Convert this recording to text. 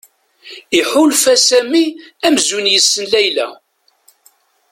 Iḥulfa Sami amzun yessen Layla.